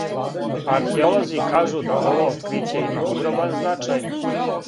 Археолози кажу да ово откриће има огроман значај.